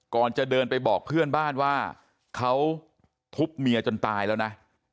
ก่อนจะเดินไปบอกเพื่อนบ้านว่าเขาทุบเมียจนตายแล้วนะ